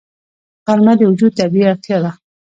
غرمه د وجود طبیعي اړتیا ده